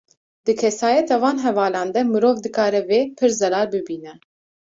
Di kesayeta van hevalan de mirov dikarê vê, pir zelal bibîne